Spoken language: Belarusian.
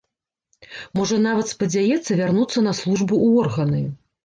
Можа нават, спадзяецца вярнуцца на службу ў органы.